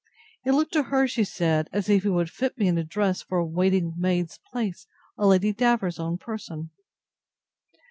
It looked to her, she said, as if he would fit me in dress for a waiting maid's place on Lady Davers's own person.